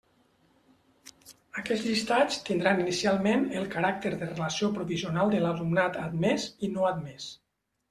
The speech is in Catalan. Aquests llistats tindran inicialment el caràcter de relació provisional d'alumnat admés i no admés.